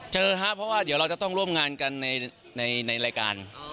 เจอฮะเพราะว่าเดี๋ยวเราจะต้องร่วมงานกันในในในรายการอ๋อ